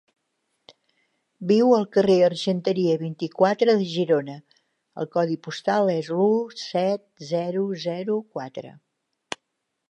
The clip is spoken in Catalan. Viu al carrer Argenteria, vint-i-quatre, de Girona; el codi postal és el u set zero zero quatre.